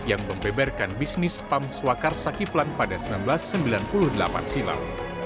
yang membeberkan bisnis pam swakar sakiflan pada seribu sembilan ratus sembilan puluh delapan silam